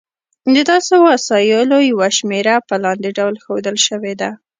د داسې وسایلو یوه شمېره په لاندې ډول ښودل شوې ده.